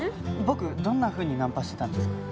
僕どんなふうにナンパしてたんですか？